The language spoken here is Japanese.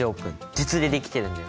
鉄で出来てるんだよ。